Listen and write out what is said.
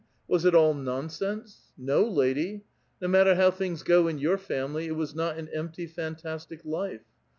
Was it all nonsense? No, lady; no matter how things go in your family, it was not an empty, fantastic life.